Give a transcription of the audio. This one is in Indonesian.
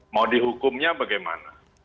mau dihukumnya bagaimana